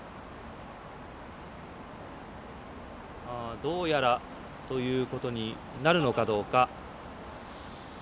どうやらということになるのかどうか。